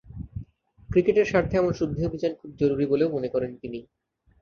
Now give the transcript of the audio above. ক্রিকেটের স্বার্থে এমন শুদ্ধি অভিযান খুব জরুরি বলেও মনে করেন তিনি।